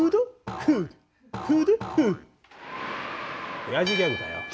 おやじギャグだよ。